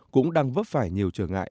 cũng đang vấn đề